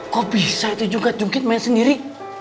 kok bisa itu juga cungkit main sendiri